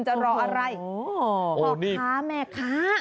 จะรออะไรโอ้โหนี่พ่อค้าแม่ค้า